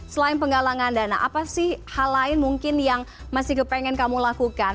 selain penggalangan dana apa sih hal lain mungkin yang masih kepengen kamu lakukan